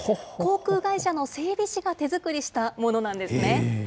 航空会社の整備士が手作りしたものなんですね。